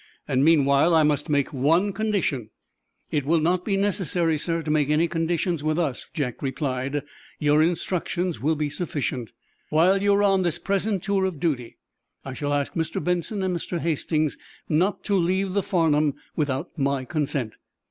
Meanwhile, I must make one condition." "It will not be necessary, sir, to make any conditions with us," Jack replied. "Your instructions will be sufficient." "While you are on this present tour of duty, I shall ask Mr. Benson and Mr. Hastings not to leave the 'Farnum' without my consent."